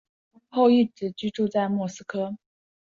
后一直居住在莫斯科。